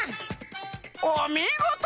おみごと！